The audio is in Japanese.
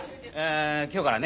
今日からね